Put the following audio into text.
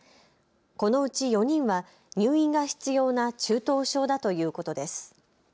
このうち４人は入院が必要な中等症だということです。